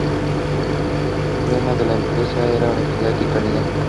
El lema de la empresa era "Honestidad y Calidad".